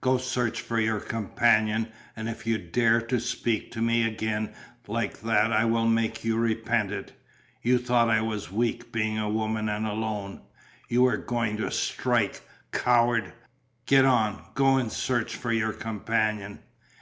Go search for your companion and if you dare to speak to me again like that I will make you repent it. You thought I was weak being a woman and alone. You were going to strike. Coward! Get on, go and search for your companion."